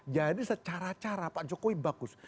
jadi secara cara pak jokowi bagus